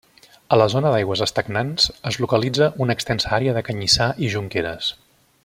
A la zona d'aigües estagnants es localitza una extensa àrea de canyissar i jonqueres.